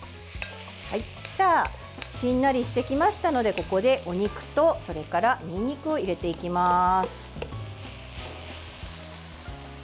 しんなりしてきましたのでここでお肉と、それからにんにくを入れていきます。